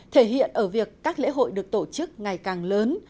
thể hiện ở việc các lễ hội được tổ chức ngày càng lớn